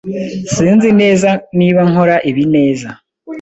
Sinzi neza niba nkora ibi neza.